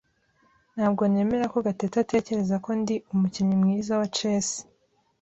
Ntabwo nemera ko Gatete atekereza ko ndi umukinnyi mwiza wa chess.